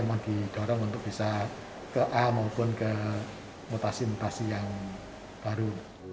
jadi kita berharapkan untuk bisa ke a maupun ke mutasi mutasi yang baru